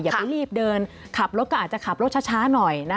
อย่าไปรีบเดินขับรถก็อาจจะขับรถช้าหน่อยนะ